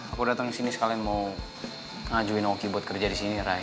aku datang ke sini sekalian mau ngajuin oki buat kerja di sini